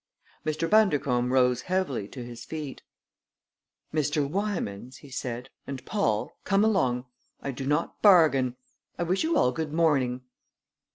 Mr. Bundercombe rose heavily to his feet. "Mr. Wymans," he said, "and Paul, come along! I do not bargain. I wish you all good morning."